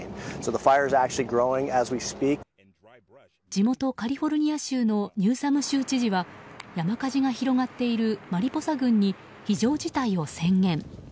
地元カリフォルニア州のニューサム州知事は山火事が広がっているマリポサ郡に非常事態を宣言。